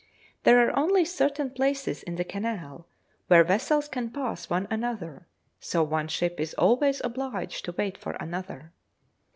There are only certain places in the Canal where vessels can pass one another, so one ship is always obliged to wait for another.